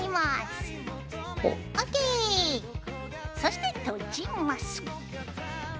そして閉じます。